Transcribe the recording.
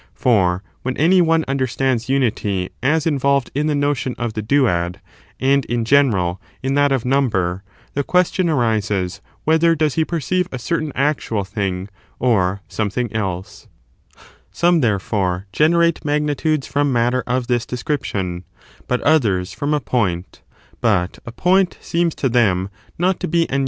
For when any one understands unity as involved in the notion of the duad, and, in general, in that of number, the question arises whe ther does he perceive a certain actual thing or something else? CH. IX.] WHAT BOES NUHBEB CONSIST FBOK? 383 Some, therefore, generate magnitudes from ^ pii^rent matter of this description, but others from a modes of the point ; but a point seems to them not to be an SSStude.